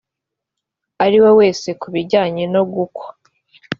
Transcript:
ariwe wese ku bijyanye nogukwa